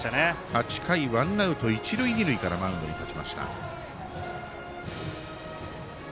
８回ワンアウト一塁二塁からマウンドに立ちました。